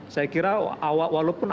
saya kira walaupun